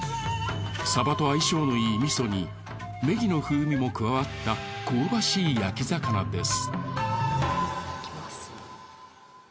サバと相性のいい味噌にねぎの風味も加わった香ばしい焼き魚です。